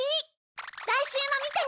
来週も見てね！